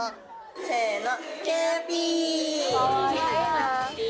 せの！